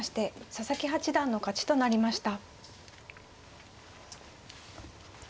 佐々木八段の勝ちとなりました。